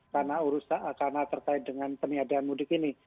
karena terkait dengan penyediaan mudik ini